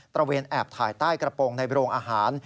ระเวนแอบถ่ายใต้กระโปรงในโรงอาหาร